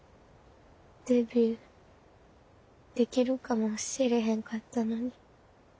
デビューできるかもしれへんかったのに。